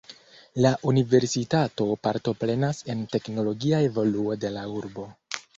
La universitato partoprenas en teknologia evoluo de la urbo.